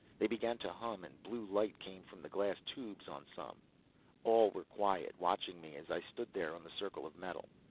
They began to hum, and blue light came from the glass tubes on some. All were quiet, watching me as I stood there on the circle of metal.